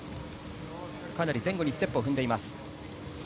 前後にステップを踏んでいます。